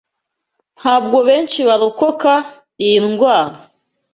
Ntabwo benshi barokoka iyi ndwara.